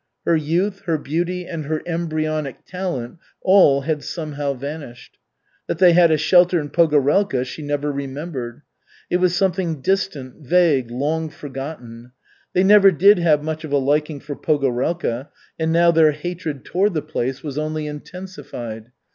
Her youth, her beauty, and her embryonic talent, all had somehow vanished. That they had a shelter in Pogorelka, she never remembered. It was something distant, vague, long forgotten. They never did have much of a liking for Pogorelka, and now their hatred toward the place was only intensified.